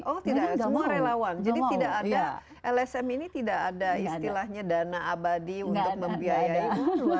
oh tidak semua relawan jadi tidak ada lsm ini tidak ada istilahnya dana abadi untuk membiayai